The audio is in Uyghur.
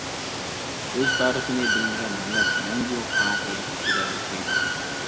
ئۆز تارىخىنى بىلمىگەن مىللەت مەڭگۈ قاراڭغۇلۇق ئىچىدە ياشايدۇ.